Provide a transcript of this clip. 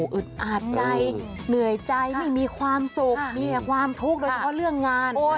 อึดอาดใจเหนื่อยใจไม่มีความสุขมีความทุกข์โดยเฉพาะเรื่องงาน